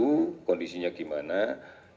mana kala dia memang akan melalui telpon dulu